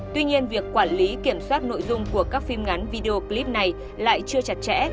tuy nhiên việc quản lý kiểm soát nội dung của các phim ngắn video clip này lại chưa chặt chẽ